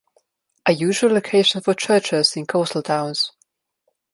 A usual location for churches in coastal towns.